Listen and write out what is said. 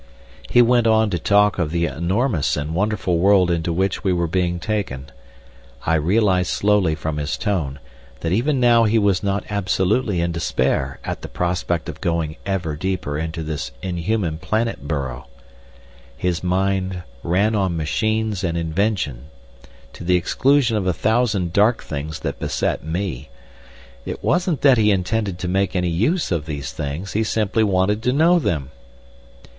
He went on to talk of the enormous and wonderful world into which we were being taken. I realised slowly from his tone, that even now he was not absolutely in despair at the prospect of going ever deeper into this inhuman planet burrow. His mind ran on machines and invention, to the exclusion of a thousand dark things that beset me. It wasn't that he intended to make any use of these things, he simply wanted to know them.